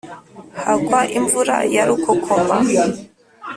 hagwa imvura ya rukokoma